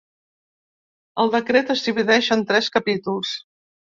El decret es divideix en tres capítols.